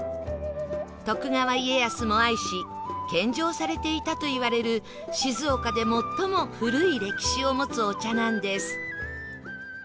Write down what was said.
徳川家康も愛し献上されていたといわれる静岡で最も古い歴史を持つお茶なんです